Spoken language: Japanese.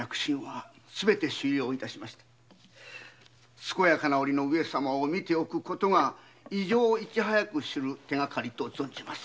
健やかな上様を診ておくことが異常を早く知る手がかりと存じます。